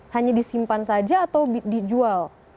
hanya disimpan saja atau dijual